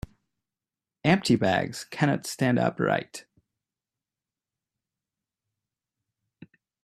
Empty bags cannot stand upright.